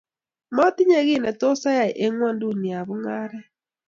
matinye gii ne tos ai eng ' mwanduni ab mungaret